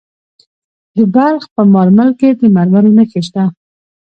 د بلخ په مارمل کې د مرمرو نښې شته.